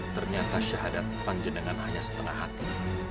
ternyata syahadat panjenengan hanya setengah hati